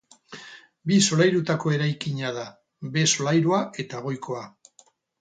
Bi solairutako eraikina da, behe solairua eta goikoa.